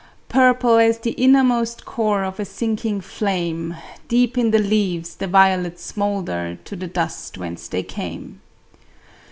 Purple as the innermost Core of a sinking flame, Deep in the leaves the violets smoulder To the dust whence they came.